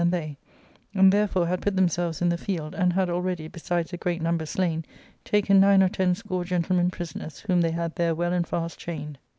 Jli&n they» and therefore had put themselves in the field, and had^already^ besides a great number slain, taken ,nine or ten score gentlemen prisoners, whom they had there. jgell and fast chained.